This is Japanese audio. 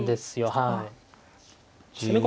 はい。